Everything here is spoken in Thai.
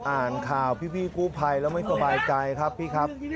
อ่านข่าวพี่กู้ภัยแล้วไม่สบายใจครับพี่ครับ